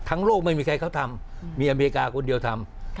โลกไม่มีใครเขาทำมีอเมริกาคนเดียวทำ